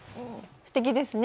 すてきですね。